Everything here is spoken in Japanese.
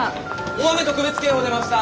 大雨特別警報出ました！